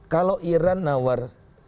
kalau iran nawar sepuluh